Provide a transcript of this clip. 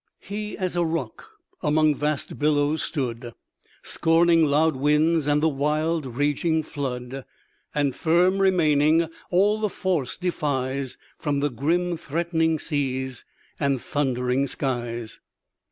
"He as a rock among vast billows stood, Scorning loud winds and the wild raging flood, And firm remaining, all the force defies, From the grim threatening seas and thundering skies."